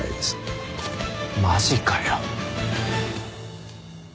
マジかよ。